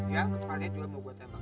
ya soalnya juga mau gue tembak